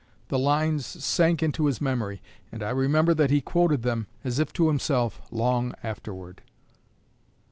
The lines sank into his memory, and I remember that he quoted them, as if to himself, long afterward."